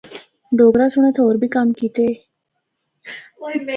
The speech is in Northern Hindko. ڈوگرہ سنڑ اِتھا ہور بھی کم کیتے۔